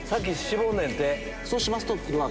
そうしますと。